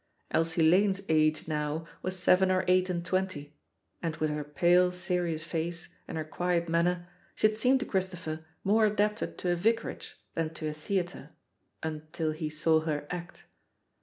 Elsie Lane's age now was seven or eight and twenty^ 1« THE POSITION OF PEGGY HARPER and with her pale, serious face and her quiet manner, she had seemed to Christopher more adapted to a vicarage than to a theatre until he saw her act.